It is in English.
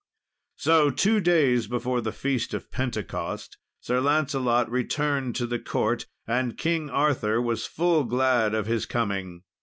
"So, two days before the Feast of Pentecost, Sir Lancelot returned to the court, and King Arthur was full glad of his coming.